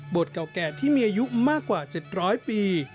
เก่าแก่ที่มีอายุมากกว่า๗๐๐ปี